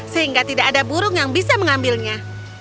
sehingga tidak ada burung yang bisa mengambilnya